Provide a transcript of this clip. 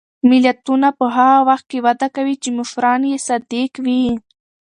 ملتونه په هغه وخت کې وده کوي چې مشران یې صادق وي.